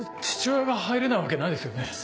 父親が入れないわけないですよね？